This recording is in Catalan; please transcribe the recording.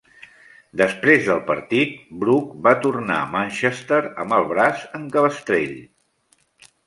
Després del partit, Brook va tornar a Manchester amb el braç en cabestrell.